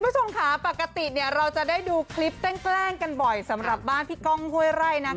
คุณผู้ชมค่ะปกติเราจะได้ดูคลิปแกล้งกันบ่อยสำหรับบ้านพี่ก้องห้วยไร่นะ